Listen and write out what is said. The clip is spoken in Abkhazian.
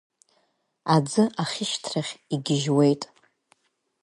Аӡы ахьышьҭрахь игьежьуеит!